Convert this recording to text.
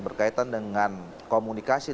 berkaitan dengan komunikasi